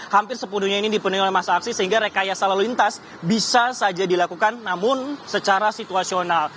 hampir sepenuhnya ini dipenuhi oleh masa aksi sehingga rekayasa lalu lintas bisa saja dilakukan namun secara situasional